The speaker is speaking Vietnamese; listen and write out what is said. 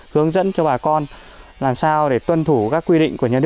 hướng dẫn cho bà con làm sao để tuân thủ các quy định của nhân dân